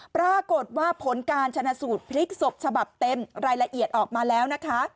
ปรากฏว่าผลการชนะสูตรพลิกศพฉบับเต็มรายละเอียดออกมาแล้วนะคะ